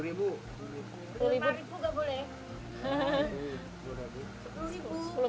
rp delapan an gak boleh